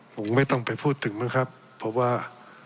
ผมไม่ต้องไปพูดถึงมั้งครับเพราะว่า